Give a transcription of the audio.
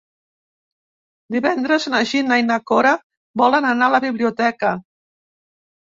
Divendres na Gina i na Cora volen anar a la biblioteca.